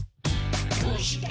「どうして？